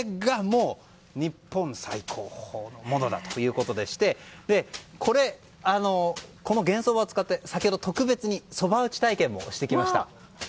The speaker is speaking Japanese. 日本最高峰のものということでしてこの玄そばを使って特別にそば打ち体験も行ってきました。